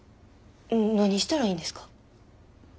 何したらいいんですか？